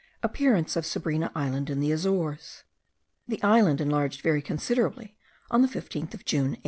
Appearance of Sabrina Island, in the Azores. The island enlarged very considerably on the 15th of June, 1811.